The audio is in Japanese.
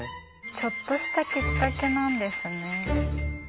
ちょっとしたきっかけなんですね。